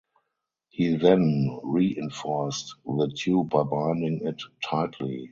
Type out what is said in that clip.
He then reinforced the tube by binding it tightly.